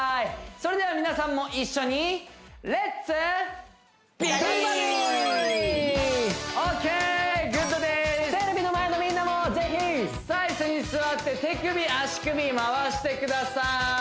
それでは皆さんも一緒にＯＫグッドですテレビの前のみんなもぜひ！さあ椅子に座って手首足首回してください